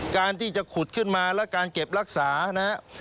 การที่จะขุดขึ้นมาและการเก็บรักษานะครับ